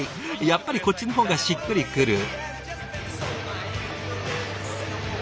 やっぱりこっちの方がしっくりくる。